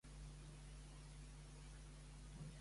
Per quina branca es va decantar Ana?